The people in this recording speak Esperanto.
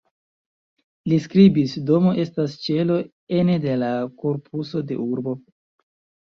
Li skribis:"Domo estas ĉelo ene de la korpuso de urbo.